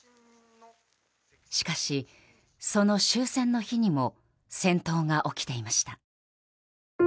しかし、その終戦の日にも戦闘が起きていました。